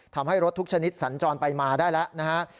ทำให้รถทุกชนิดสัญจรไปมาได้แล้วนะฮะ